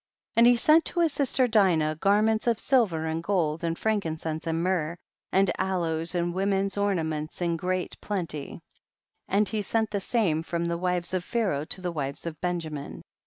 84. And he sent to his sister Dinah garments of silver and gold, and frankincense and myrrh, and aloes and women's ornaments in great plenty, and he sent the same from the wives of Pharaoh to the wives of Benjamin.